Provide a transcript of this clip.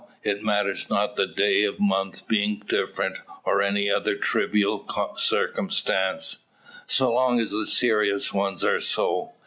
It matters not the day of the month being different, or any other trivial circumstance, so long as the serious ones are so.